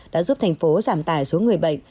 đã giúp thành phố giảm tài số người bệnh